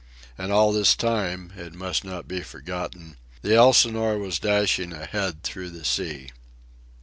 And all this time, it must not be forgotten, the Elsinore was dashing ahead through the sea.